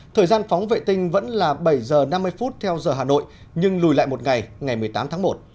thời gian phóng vệ tinh vẫn là bảy h năm mươi phút theo giờ hà nội nhưng lùi lại một ngày ngày một mươi tám tháng một